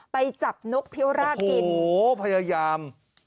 ไปจับนกเพี้ยวรากินโอ้โฮพยายาม